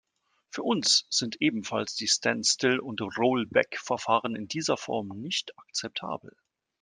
Für uns sind ebenfalls die standstill und rollback -Verfahren in dieser Form nicht akzeptabel.